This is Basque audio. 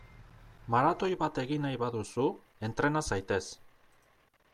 Maratoi bat egin nahi baduzu, entrena zaitez!